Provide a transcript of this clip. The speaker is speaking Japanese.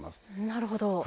なるほど。